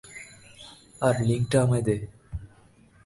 আর লিংকটা আমায় দে।